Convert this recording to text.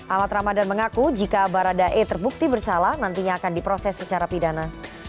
ahmad ramadan mengaku jika baradae terbukti bersalah nantinya akan diproses secara pidana